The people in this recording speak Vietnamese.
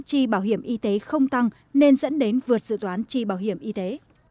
chi bảo hiểm y tế không tăng nên dẫn đến vượt dự toán chi bảo hiểm y tế